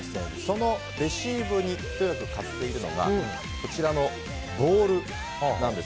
そのレシーブにひと役買っているのがこちらボールなんです。